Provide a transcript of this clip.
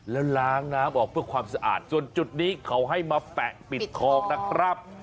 แล้วล้างน้ำออกเพื่อความสะอาดส่วนจุดนี้เขาให้มาแปะปิดคอกนะครับ